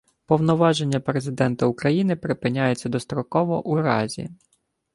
Повноваження Президента України припиняються достроково у разі: